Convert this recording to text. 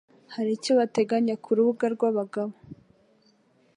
Hari icyo bateganya ku rubuga rw'abagabo